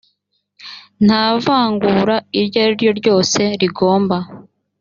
nta vangura iryo ari ryo ryose rigomba